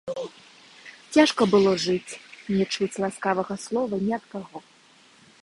Цяжка было жыць, не чуць ласкавага слова ні ад каго.